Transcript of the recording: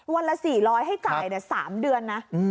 วันละ๔๐๐ให้จ่าย๓เดือนนะ